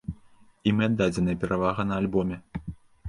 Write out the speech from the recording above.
Ім і аддадзеная перавага на альбоме.